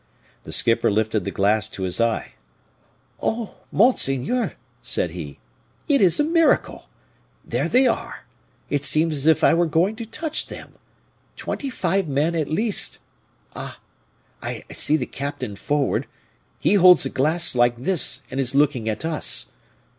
The skipper lifted the glass to his eye. "Oh! monseigneur," said he, "it is a miracle there they are; it seems as if I were going to touch them. Twenty five men at least! Ah! I see the captain forward. He holds a glass like this, and is looking at us.